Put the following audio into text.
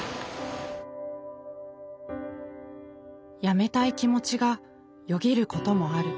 辞めたい気持ちがよぎることもある。